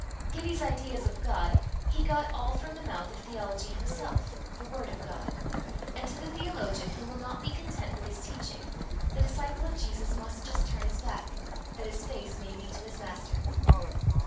Gibbie's ideas of God he got all from the mouth of Theology himself, the Word of God; and to the theologian who will not be content with his teaching, the disciple of Jesus must just turn his back, that his face may be to his Master.